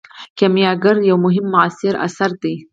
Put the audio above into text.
کیمیاګر یو مهم معاصر اثر دی.